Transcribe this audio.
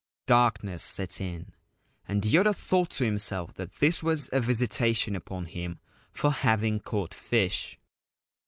Darkness set in, and Yoda thought to himself that this was a visitation upon him for having caught fish.